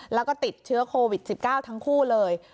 แล้วก็ติดเชื้อโควิด๑๙ทั้งคู่เลย